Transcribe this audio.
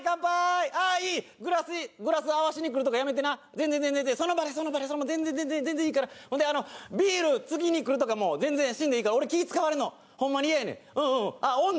ああいいグラスいいグラス合わしにくるとかやめてな全然全然その場でその場で全然全然全然いいからほんであのビールつぎにくるとかも全然しんでいいから俺気使われるのホンマに嫌やねんうんうんあっ温度？